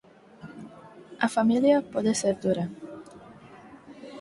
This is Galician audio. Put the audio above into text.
A familia pode ser dura.